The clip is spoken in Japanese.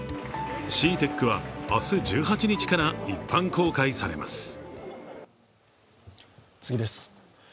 ＣＥＡＴＥＣは明日１８日から一般公開されます。